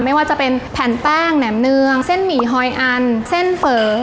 ไม่ว่าจะเป็นแผ่นแป้งแหนมเนืองเส้นหมี่ฮอยอันเส้นเฝอ